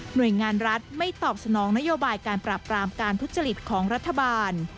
โดยงานรัฐไม่ตอบสนองนโยบายการปราบปรามการทุจริตของรัฐบาล